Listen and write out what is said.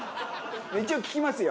一応聞きますよ。